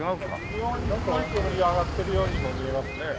微妙に黒い煙上がってるようにも見えますね。